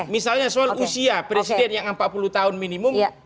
misalnya soal usia presiden yang empat puluh tahun minimum